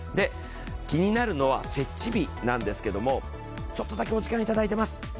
気になるのは設置日なんですけども、ちょっとだけお時間いただいています。